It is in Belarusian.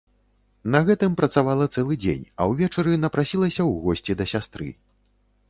На гэтым працавала цэлы дзень, а ўвечары напрасілася ў госці да сястры.